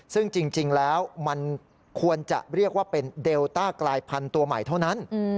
ซึ่งจริงแล้วมันควรจะเรียกว่าเป็นเดลต้ากลายพันธุ์ตัวใหม่เท่านั้น